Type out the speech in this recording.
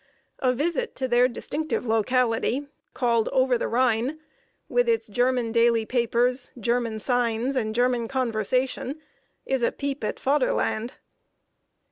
A visit to their distinctive locality, called "Over the Rhine," with its German daily papers, German signs, and German conversation, is a peep at Faderland.